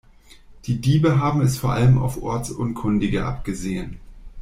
Die Diebe haben es vor allem auf Ortsunkundige abgesehen.